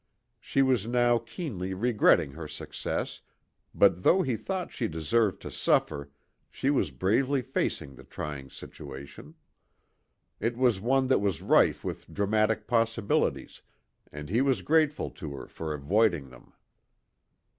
She was now keenly regretting her success, but though he thought she deserved to suffer, she was bravely facing the trying situation. It was one that was rife with dramatic possibilities, and he was grateful to her for avoiding them.